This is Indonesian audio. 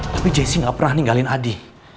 tapi jessy nggak pernah ninggalin adi